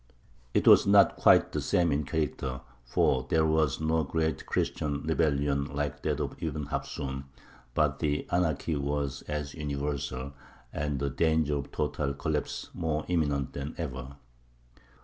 It was not quite the same in character; for there was no great Christian rebellion like that of Ibn Hafsūn; but the anarchy was as universal, and the danger of a total collapse more imminent than ever.